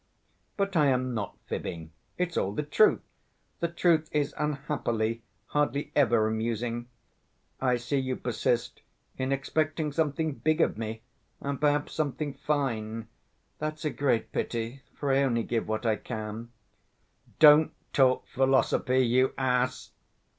"But I am not fibbing, it's all the truth; the truth is unhappily hardly ever amusing. I see you persist in expecting something big of me, and perhaps something fine. That's a great pity, for I only give what I can—" "Don't talk philosophy, you ass!"